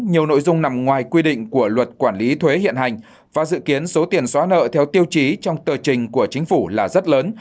nhiều nội dung nằm ngoài quy định của luật quản lý thuế hiện hành và dự kiến số tiền xóa nợ theo tiêu chí trong tờ trình của chính phủ là rất lớn